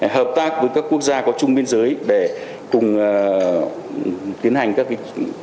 hợp tác với các quốc gia có chung biên giới để cùng tiến hành các